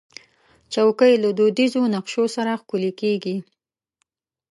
چوکۍ له دودیزو نقشو سره ښکليږي.